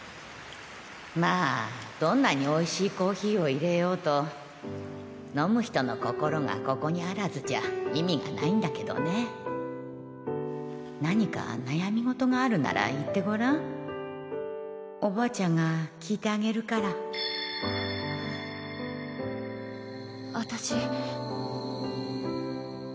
まあどんなにおいしいコーヒーをいれようと飲む人の心がここにあらずじゃ意味がないんだけどね何か悩み事があるなら言ってごらんおばあちゃんが聞いてあげるから私。